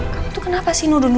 kamu tuh kenapa sih nuduh nuduh aku